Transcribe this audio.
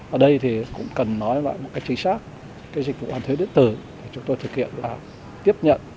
ở đây cũng cần nói một cách chính xác dịch vụ hoàn thuế điện tử chúng tôi thực hiện là tiếp nhận